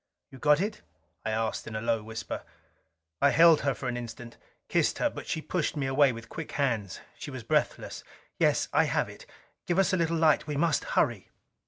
"You got it?" I asked in a low whisper. I held her for an instant, kissed her. But she pushed me away with quick hands. She was breathless. "Yes, I have it. Give us a little light we must hurry!"